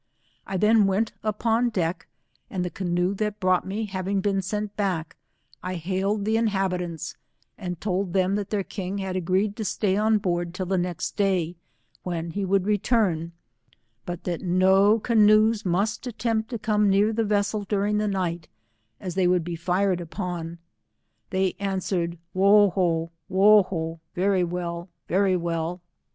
I then went upon deck, and the canoe that brought me having been sent back, I hailed the inhabitantp, and (old them that their king had agreed to stay on board till the next day, when lie would return, but that no canoes must attempt to come near the vessel during the night, as they would be fired upon. They answered, IVohOf z^oho — very well, very well.